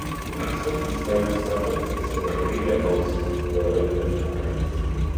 The abstract describes the subject, so that the reader knows what the document covers.